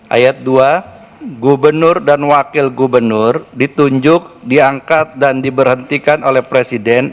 ayat dua gubernur dan wakil gubernur ditunjuk diangkat dan diberhentikan oleh presiden